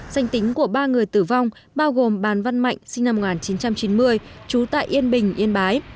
danh tính của ba người tử vong bao gồm bàn văn mạnh sinh năm một nghìn chín trăm chín mươi trú tại yên bình yên bái